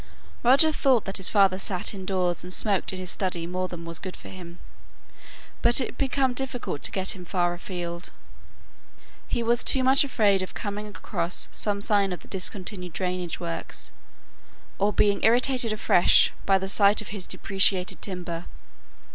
Roger thought that his father sate indoors and smoked in his study more than was good for him, but it had become difficult to get him far afield; he was too much afraid of coming across some sign of the discontinued drainage works, or being irritated afresh by the sight of his depreciated timber.